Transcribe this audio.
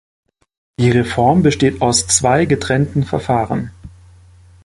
Die Reform besteht aus zwei getrennten Verfahren.